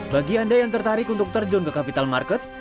bagi anda yang tertarik untuk terjun ke capital market